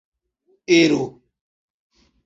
ero